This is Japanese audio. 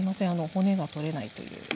骨が取れないという。